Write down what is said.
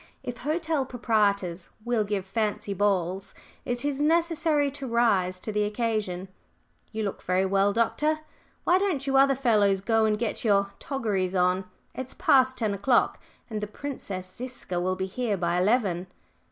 "If hotel proprietors will give fancy balls, it is necessary to rise to the occasion. You look very well, Doctor. Why don't you other fellows go and get your toggeries on? It's past ten o'clock, and the Princess Ziska will be here by eleven."